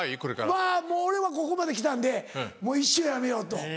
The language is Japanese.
まぁもう俺はここまで来たんでもう一生やめようと。